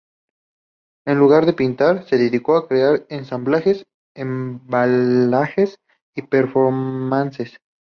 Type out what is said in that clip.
En lugar de pintar, se dedicó a crear ensamblajes, embalajes y performances.